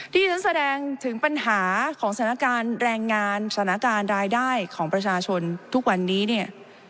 ที่ฉันแสดงถึงปัญหาของสถานการณ์แรงงานสถานการณ์รายได้ของประชาชนทุกวันนี้เนี่ย